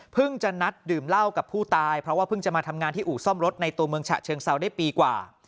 จะนัดดื่มเหล้ากับผู้ตายเพราะว่าเพิ่งจะมาทำงานที่อู่ซ่อมรถในตัวเมืองฉะเชิงเซาได้ปีกว่า